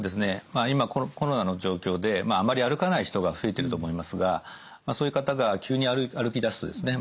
まあ今コロナの状況であんまり歩かない人が増えてると思いますがそういう方が急に歩きだすとですね